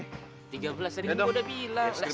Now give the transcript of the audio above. tiga belas tadi gue udah bilang